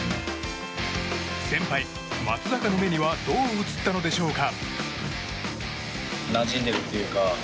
先輩・松坂の目にはどう映ったのでしょうか？